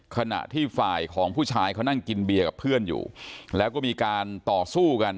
ขณะที่ฝ่ายของผู้ชายเขานั่งกินเบียร์กับเพื่อนอยู่แล้วก็มีการต่อสู้กัน